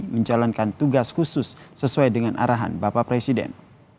menjalankan tugas khusus sesuai dengan arahan bapak presiden